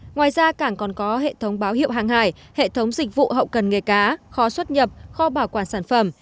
ngoài ra cảng còn có hệ thống báo hiệu hàng hải hệ thống dịch vụ hậu cần nghề cá kho xuất nhập kho bảo quản sản phẩm